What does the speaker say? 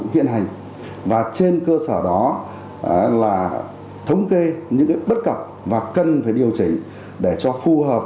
hiện hành và trên cơ sở đó là thống kê những bất cập và cần phải điều chỉnh để cho phù hợp